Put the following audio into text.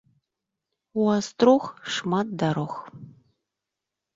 У астрог шмат дарог